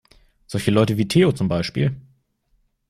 Solche Leute wie Theo, zum Beispiel.